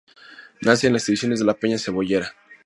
Nace en las estribaciones de la peña Cebollera.